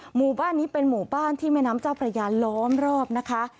หมู่บ้านนี้เป็นหมู่บ้านที่แม่น้ำเจ้าพระยาล้อมรอบนะคะ